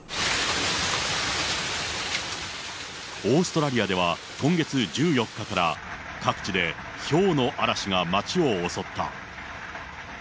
オーストラリアでは、今月１４日から各地でひょうの嵐が町を襲った。